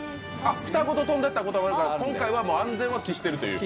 蓋ごと飛んでったこともあるから今回は安全を期している？